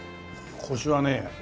コシはね